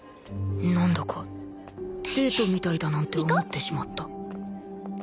なんだかデートみたいだなんて思ってしまった